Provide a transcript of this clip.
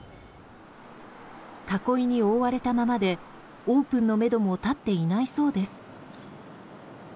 囲いに覆われたままでオープンのめども立っていないそうです。